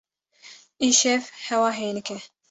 Îşev hewa hênik e.